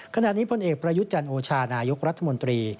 ขณะนี้พลเอกประยุจจันโอชานายุครัฐมนตรี